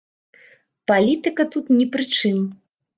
Палітыка тут не пры чым.